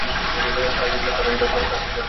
থরির, জাহাঁপনা।